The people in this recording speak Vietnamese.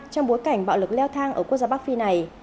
trong bối cảnh bạo lực leo thang ở quốc gia bắc phi này